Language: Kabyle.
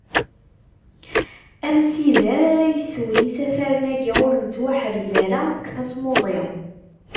Amsider ara yeswen isafaren-agi ur nettwaḥrez ara deg tasmuḍi.